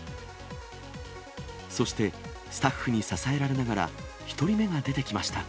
そして、スタッフに支えられながら１人目が出てきました。